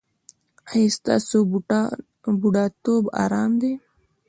ایا ستاسو بوډاتوب ارام دی؟